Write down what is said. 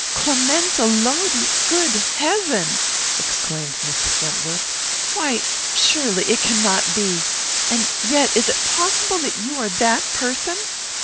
"Clemenza Lodi! Good heaven!" exclaimed Mrs. Wentworth; "why, surely it cannot be. And yet is it possible that you are that person?"